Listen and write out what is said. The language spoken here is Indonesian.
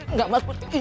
nggak mas pur